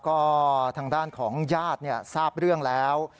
ก็ทางด้านของญาติทราบเรื่องแล้ว